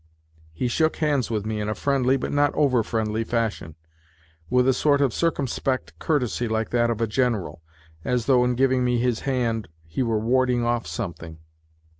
He shook hands with me in a friendly, but not over friendly, fashion, with a sort of circumspect courtesy like that of a General, as though in giving me his hand he were warding off something.